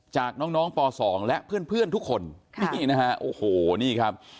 จากน้องน้องป๒และเพื่อนทุกคนนี่นะฮะโอ้โหนี่ครับ